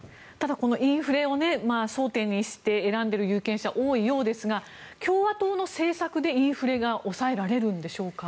インフレを争点にして選んでいる有権者が多いようですが共和党の政策でインフレが抑えられるんでしょうか。